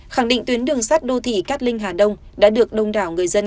khẳng định tuyến đường sắt đô thị cát linh hà đông đã được đông đảo người dân